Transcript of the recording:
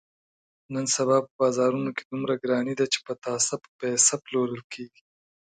نن سبا په بازارونو کې دومره ګراني ده، چې پتاسه په پیسه پلورل کېږي.